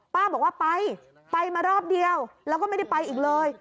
บอกว่าไปไปมารอบเดียวแล้วก็ไม่ได้ไปอีกเลย